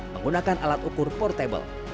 menggunakan alat ukur portable